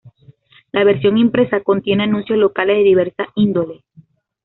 La versión impresa, contiene anuncios locales de diversa índole.